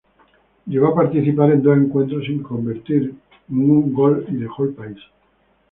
Llegó a participar en dos encuentros sin convertir ningún gol y dejó el país.